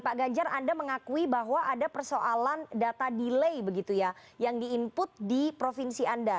pak ganjar anda mengakui bahwa ada persoalan data delay begitu ya yang di input di provinsi anda